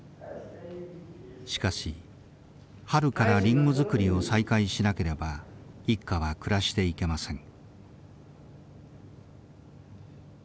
しかし春からリンゴ作りを再開しなければ一家は暮らしていけません。